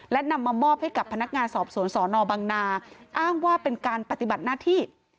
และนำมามอบให้กับพนักงานสอบสวนสอนอบังนาอ้างว่าเป็นการปฏิบัติหน้าที่